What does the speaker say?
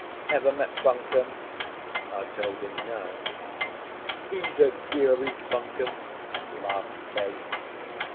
Ever met Buncombe?" I told him no. "He's a cure, is Buncombe!" laughs Case.